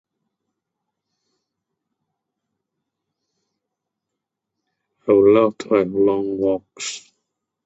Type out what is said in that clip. I would love to have long walks